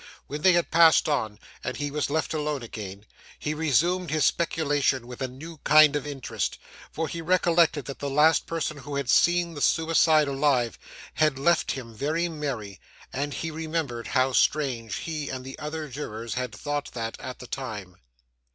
When they had passed on, and he was left alone again, he resumed his speculation with a new kind of interest; for he recollected that the last person who had seen the suicide alive, had left him very merry, and he remembered how strange he and the other jurors had thought that at the time.